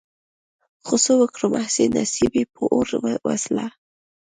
خو څه وکړم هسې نصيب يې په اور وسوله.